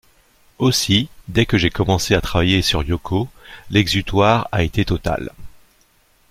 Aussi, dès que j'ai commencé à travailler sur Yoko, l'exutoire a été total.